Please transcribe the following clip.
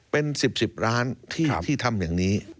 เป็น๑๐๑๐ล้านที่ทำอย่างนี้